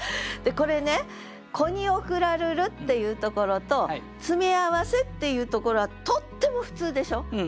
これね「子に贈らるる」っていうところと「詰合せ」っていうところはとっても普通でしょ。